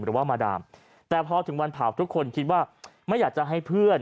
หรือว่ามาดามแต่พอถึงวันเผาทุกคนคิดว่าไม่อยากจะให้เพื่อน